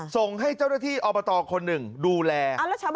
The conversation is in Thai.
ส่งให้เจ้าหน้าที่อบตคนหนึ่งดูแล